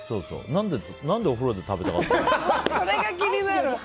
何でお風呂で食べたんだろう？